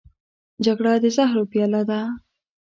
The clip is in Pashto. جګړه د زهرو پیاله ده